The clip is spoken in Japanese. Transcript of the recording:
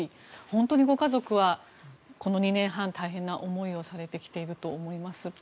本当にご家族は、この２年半大変な思いをされてきていると思います。